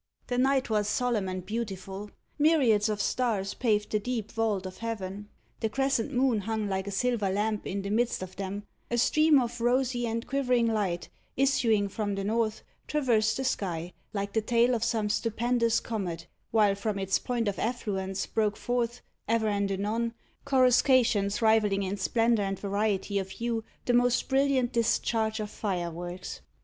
The night was solemn and beautiful. Myriads of stars paved the deep vault of heaven; the crescent moon hung like a silver lamp in the midst of them; a stream of rosy and quivering light, issuing from the north, traversed the sky, like the tail of some stupendous comet; while from its point of effluence broke forth, ever and anon, coruscations rivalling in splendour and variety of hue the most brilliant discharge of fireworks.